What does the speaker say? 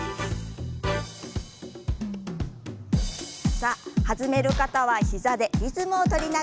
さあ弾める方は膝でリズムを取りながら。